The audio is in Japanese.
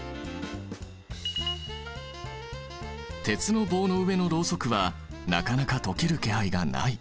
鉄の棒の上のロウソクはなかなか溶ける気配がない。